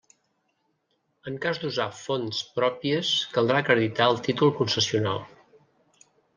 En cas d'usar fonts pròpies caldrà acreditar el títol concessional.